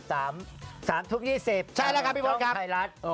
๓ทุบ๒๐จองไทยรัฐ